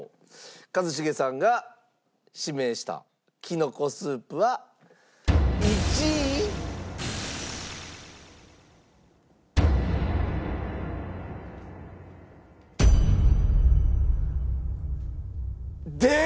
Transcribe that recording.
一茂さんが指名したきのこスープは１位。です！